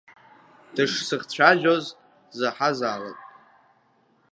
Дышсыхцәажәоз заҳазаалак!